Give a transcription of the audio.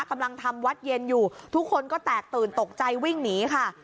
กำลังทำวัดเย็นอยู่ทุกคนก็แตกตื่นตกใจวิ่งหนีค่ะ